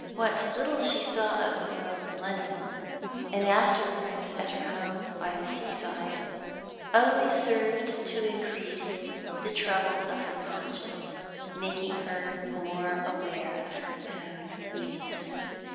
What little she saw of the world in London, and afterwards at her home by the sea side, only served to increase the trouble of her conscience, by making her more aware of her own weakness.